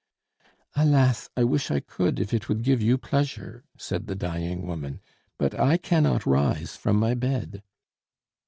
"Alas! I wish I could, if it would give you pleasure," said the dying woman; "but I cannot rise from my bed."